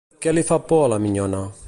Què li fa por a la minyona?